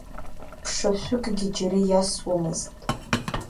Ԥшашәшәыкгьы џьара иасуамызт.